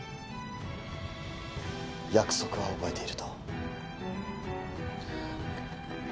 「約束は覚えている」と。